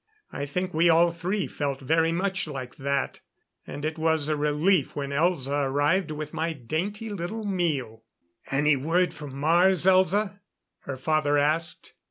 I think we all three felt very much like that; and it was a relief when Elza arrived with my dainty little meal. "Any word from Mars, Elza?" her father asked.